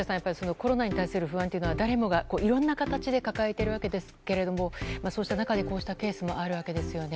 コロナに対する不安というのは誰もがいろんな形で抱えているわけですけれどもそうした中でこうしたケースもあるわけですよね。